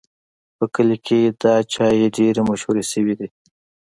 په کلي کې دا چای ډېر مشهور شوی دی.